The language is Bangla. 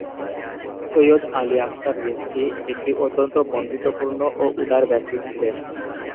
সৈয়দ আলী আখতার রিজভী একটি অত্যন্ত বন্ধুত্বপূর্ণ ও উদার ব্যক্তি ছিলেন।